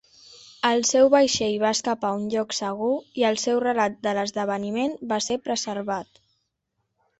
El seu vaixell va escapar a un lloc segur i el seu relat de l'esdeveniment va ser preservat.